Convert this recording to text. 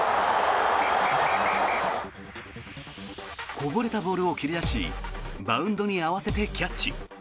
こぼれたボールを蹴り出しバウンドに合わせてキャッチ。